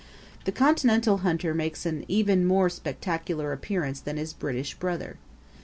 The Continental hunter makes an even more spectacular appearance than his British brother.